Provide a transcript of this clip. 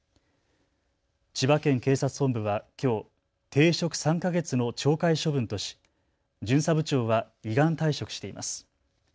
千葉県警察本部はきょう、停職３か月の懲戒処分とし巡査部長は依願退職しています。